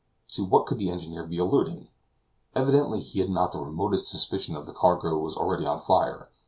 To what could the engineer be alluding? Evidently he had not the remotest suspicion that the cargo was already on fire.